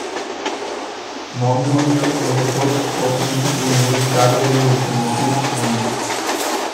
Nongoniel was the first Toqui to use cavalry with the Mapuche army.